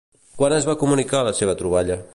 Quan es va comunicar la seva troballa?